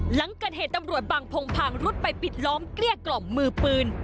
หลังเกิดเหตุตำรวจบางพงพางรุดไปปิดล้อมเกลี้ยกล่อมมือปืน